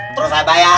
terus saya bayar